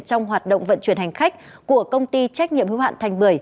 trong hoạt động vận chuyển hành khách của công ty trách nhiệm hữu hạn thành một mươi